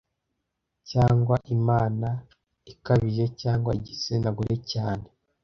cyangwa imana ikabije cyangwa igitsina gore cyane